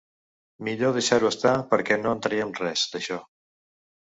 Millor deixar-ho estar perquè no en traiem res, d'això.